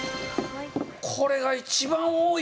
これが一番多いかな。